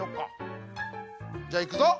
じゃあいくぞ！